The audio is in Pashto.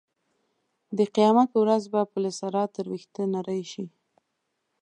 د قیامت په ورځ به پل صراط تر وېښته نرۍ شي.